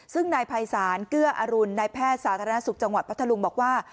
ซึ่งนายภัยศาลเกื้ออรุณนายแพทย์สาธารณสุขจังหวัดพัทธลุงบอกว่า